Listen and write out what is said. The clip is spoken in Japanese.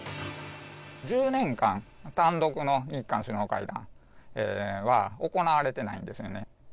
１０年間、単独の日韓首脳会談は、行われてないんですよね。